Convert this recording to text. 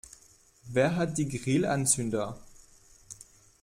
Wer hat die Grillanzünder?